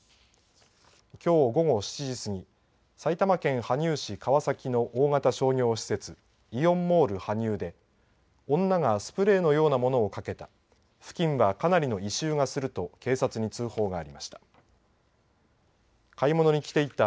きょう午後７時過ぎ埼玉県羽生市川崎の大型商業施設イオンモール羽生で女がスプレーのようなものをかけた付近はかなりの異臭がすると警察に通報がありました。